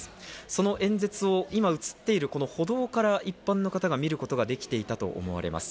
その演説を今、映っているこの歩道から一般の方が見ることができていたと思われます。